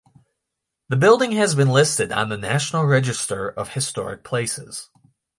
The building has been listed on the National Register of Historic Places.